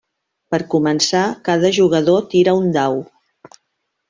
Per començar, cada jugador tira un dau.